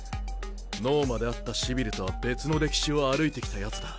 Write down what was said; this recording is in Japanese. ノーマで会ったシビルとは別の歴史を歩いてきたヤツだ。